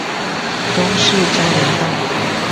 東勢交流道